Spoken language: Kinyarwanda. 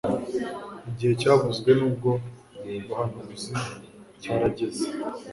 "Igihe cyavuzwe n'ubwo buhanuzi cyarageze.